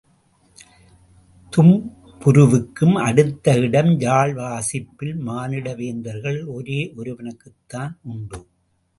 தும்புருவுக்கும் அடுத்த இடம், யாழ் வாசிப்பில் மானிட வேந்தர்களில் ஒரே ஒருவனுக்குத்தான் உண்டு.